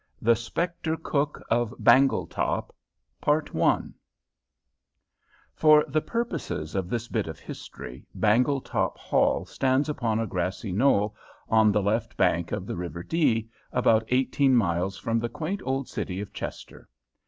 THE SPECTRE COOK OF BANGLETOP I For the purposes of this bit of history, Bangletop Hall stands upon a grassy knoll on the left bank of the River Dee, about eighteen miles from the quaint old city of Chester.